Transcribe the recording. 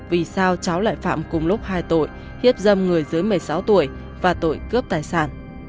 vì sao cháu lại phạm cùng lúc hai tội hiếp dâm người dưới một mươi sáu tuổi và tội cướp tài sản